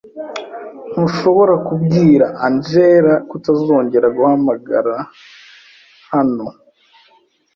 Ntushobora kubwira Angella kutazongera guhagarara hano?